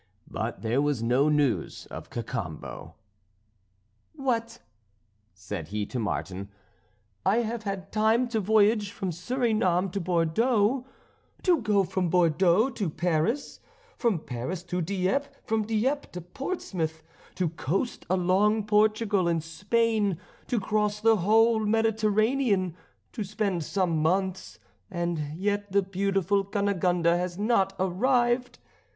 But there was no news of Cacambo. "What!" said he to Martin, "I have had time to voyage from Surinam to Bordeaux, to go from Bordeaux to Paris, from Paris to Dieppe, from Dieppe to Portsmouth, to coast along Portugal and Spain, to cross the whole Mediterranean, to spend some months, and yet the beautiful Cunegonde has not arrived!